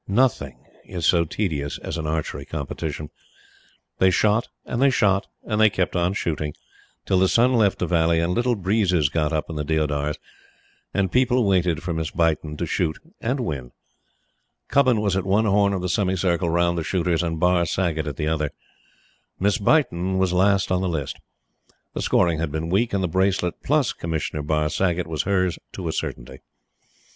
Nothing is so tedious as an archery competition. They shot, and they shot, and they kept on shooting, till the sun left the valley, and little breezes got up in the deodars, and people waited for Miss Beighton to shoot and win. Cubbon was at one horn of the semicircle round the shooters, and Barr Saggott at the other. Miss Beighton was last on the list. The scoring had been weak, and the bracelet, PLUS Commissioner Barr Saggott, was hers to a certainty.